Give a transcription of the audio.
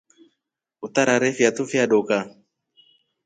Utarare fiatu fya dookafo.